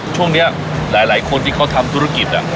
ช่วงนี้หลายคนที่เขาทำธุรกิจ